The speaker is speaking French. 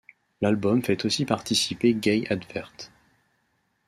L'album fait aussi participer Gaye Advert.